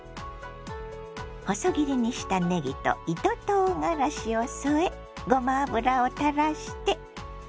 細切りにしたねぎと糸とうがらしを添えごま油をたらして。